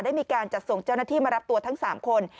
ได้มีการจัดส่งเจ้าหน้าที่มารับตัวทั้ง๓คน